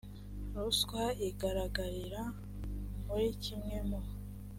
ruswa igaragarira muri kimwe mu